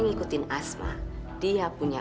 ngikutin asma dia punya